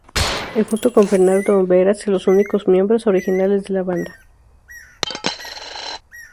Él junto con Fernando Olvera son los únicos miembros originales de la banda.